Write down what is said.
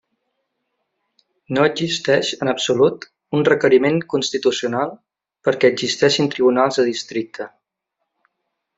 No existeix en absolut un requeriment constitucional perquè existeixin tribunals de districte.